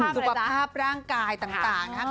สุขภาพร่างกายต่าง